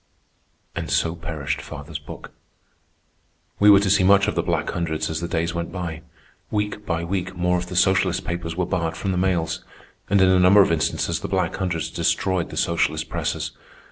And so perished father's book. We were to see much of the Black Hundreds as the days went by. Week by week more of the socialist papers were barred from the mails, and in a number of instances the Black Hundreds destroyed the socialist presses.